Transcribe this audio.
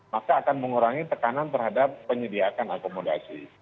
maka akan mengurangi tekanan terhadap penyediakan akomodasi